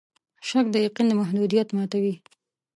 شک د یقین د محدودیت ماتوي.